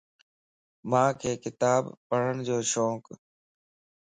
مانک ڪتاب پڙھڻ جو شونڪ